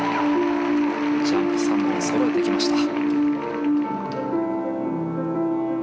ジャンプ３本そろえてきました。